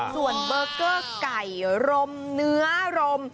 ส่วนเบอร์เกอร์ไก่รมเนื้อรม